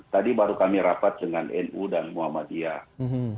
tadi baru kami rapat dengan nu dan muhammadiyah